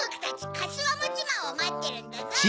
かしわもちまんをまってるんだゾウ！